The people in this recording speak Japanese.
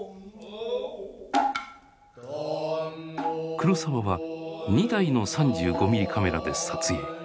黒澤は２台の３５ミリカメラで撮影。